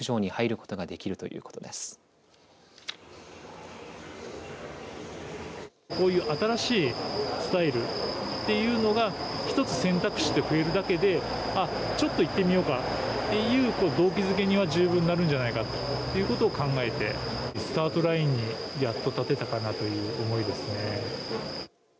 こういう新しいスタイルというのが一つ、選択肢としては増えるだけでちょっといってみようかなという動機づけには十分なるんじゃないかということを考えてスタートラインにやっと立てたかなという思いですね。